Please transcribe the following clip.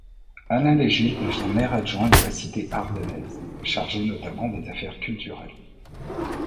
Alain Léger devient maire adjoint de la cité ardennaise, chargé notamment des affaires culturelles.